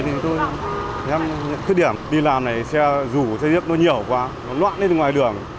thì em cứ điểm đi làm này xe rủ xe giếp nó nhở quá nó loạn lên ngoài đường